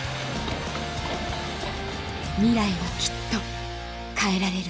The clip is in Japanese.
ミライはきっと変えられる